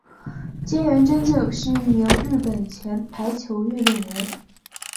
菅原贞敬是一名日本前排球运动员。